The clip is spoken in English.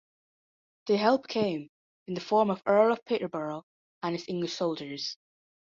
The help came, in the form of Earl of Peterborough and his English soldiers.